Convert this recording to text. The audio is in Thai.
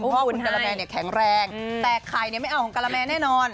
เพราะว่าคุณการแมงแข็งแรงแต่ใครไม่เอาของการแมงแน่นอน